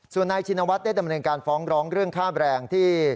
ส่วนนายชินวัฒน์ได้ดำเนินการฟ้องร้องเรื่องค่าแบรนด์ที่